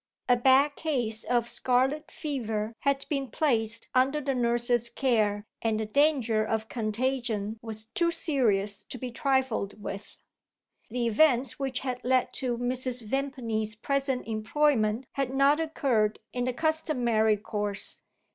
A bad case of scarlet fever had been placed under the nurse's care, and the danger of contagion was too serious to be trifled with. The events which had led to Mrs. Vimpany's present employment had not occurred in the customary course.